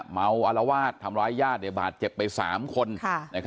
เมาอารวาสทำร้ายญาติบาดเจ็บไป๓คน